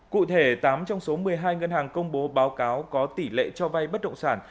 cụ thể tám trong số một mươi hai ngân hàng công bố báo cáo có tỷ lệ cho vay bất động sản